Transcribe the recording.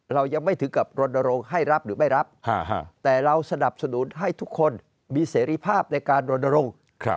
เรายังไม่ถึงกับรณรงค์ให้รับหรือไม่รับแต่เราสนับสนุนให้ทุกคนมีเสรีภาพในการรณรงค์